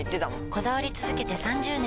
こだわり続けて３０年！